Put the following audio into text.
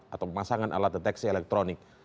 atau pemasangan alat deteksi elektronik